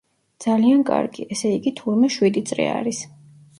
ძალიან კარგი, ესე იგი, თურმე შვიდი წრე არის.